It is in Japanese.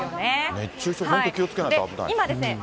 熱中症、本当、気をつけないと危ない。